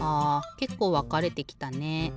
けっこうわかれてきたね。